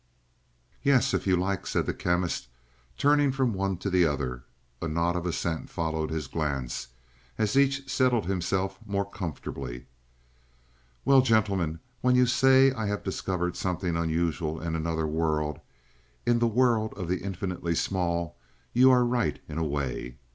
"Yes, if you like," said the Chemist, turning from one to the other. A nod of assent followed his glance, as each settled himself more comfortably. "Well, gentlemen, when you say I have discovered something unusual in another world in the world of the infinitely small you are right in a way.